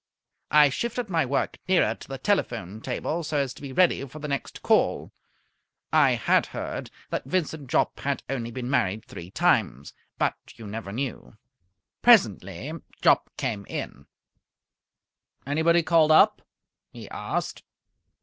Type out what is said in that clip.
I shifted my work nearer to the telephone table so as to be ready for the next call. I had heard that Vincent Jopp had only been married three times, but you never knew. Presently Jopp came in. "Anybody called up?" he asked.